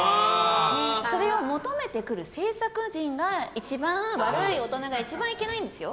それを求めてくる制作陣が一番悪い大人が一番いけないんですよ。